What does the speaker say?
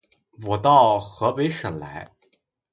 我到河北省来